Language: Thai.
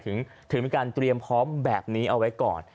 ถึงมีการเตรียมพร้อมแบบนี้เอาไว้ก่อน